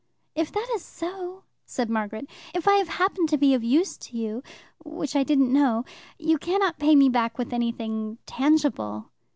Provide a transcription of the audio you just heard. "If that is so," said Margaret, "if I have happened to be of use to you, which I didn't know, you cannot pay me back with anything tangible."